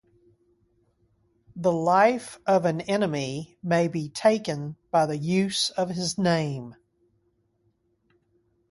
The life of an enemy may be taken by the use of his name.